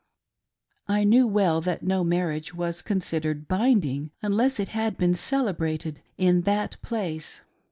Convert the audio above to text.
I knew well that no marriage was considered binding unless it had been celebrated in that place.